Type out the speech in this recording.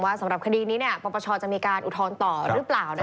สำหรับคดีนี้ปปชจะมีการอุทธรณ์ต่อหรือเปล่า